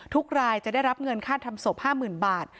ทุกรายจะได้รับเงินค่าทำศพ๕๐๐๐บาท